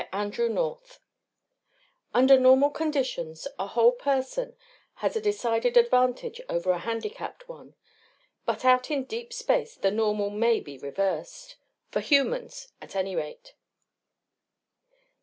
Andrew North_ Under normal conditions a whole person has a decided advantage over a handicapped one. But out in deep space the normal may be reversed for humans at any rate.